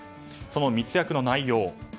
その密約の内容